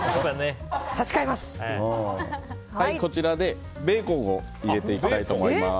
こちらでベーコンを入れていきたいと思います。